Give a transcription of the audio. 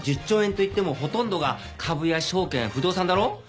１０兆円といってもほとんどが株や証券不動産だろ？